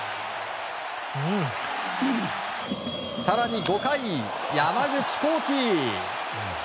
更に５回、山口航輝。